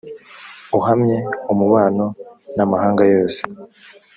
uhamye umubano n amahanga yose